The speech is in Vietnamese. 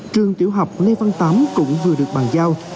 trường tiểu học lê văn tám cũng vừa được bàn giao